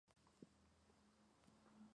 La entrada se hacía con el teclado.